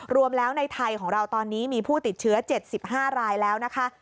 รวมแล้วในไทยของเราตอนนี้มีผู้ติดเชื้อ๗๕รายแล้วนะคะ